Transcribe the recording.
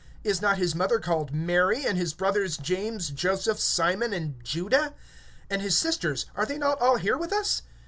(55)Is not his mother called Mary, and his brothers, James, and Joseph[13:55], and Simon, and Judas? (56)And his sisters, are they not all with us?